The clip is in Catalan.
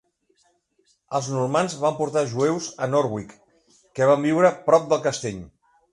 Els normands van portar jueus a Norwich, que van viure prop del castell.